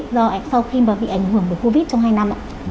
do sau khi bị ảnh hưởng của covid trong hai năm